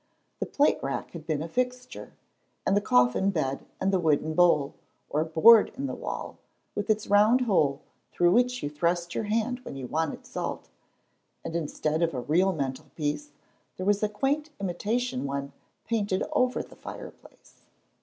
The plate rack had been a fixture, and the coffin bed and the wooden bole, or board in the wall, with its round hole through which you thrust your hand when you wanted salt, and instead of a real mantelpiece there was a quaint imitation one painted over the fireplace.